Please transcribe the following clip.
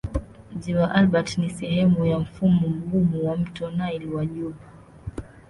Ziwa Albert ni sehemu ya mfumo mgumu wa mto Nile wa juu.